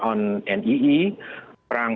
on nii perang